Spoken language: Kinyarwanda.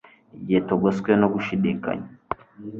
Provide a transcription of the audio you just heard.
Igihe tugoswe no gushidikanya